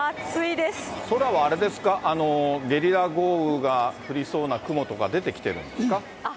空はあれですか、ゲリラ豪雨が降りそうな雲とか出てきてるんですか。